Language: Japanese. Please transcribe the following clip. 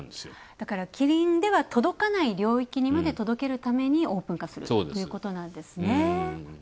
だからキリンでは届かない領域にまで届けるためにオープン化するということなんですね。